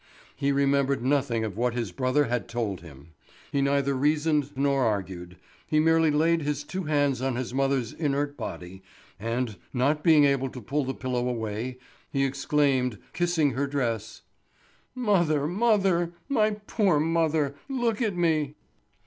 He remembered nothing of what his brother had told him; he neither reasoned nor argued, he merely laid his two hands on his mother's inert body, and not being able to pull the pillow away, he exclaimed, kissing her dress: "Mother, mother, my poor mother, look at me!"